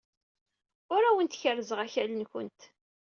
Ur awent-kerrzeɣ akal-nwent.